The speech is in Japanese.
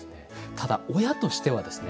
ただ親としてはですね